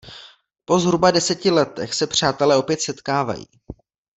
Po zhruba deseti letech se přátelé opět setkávají.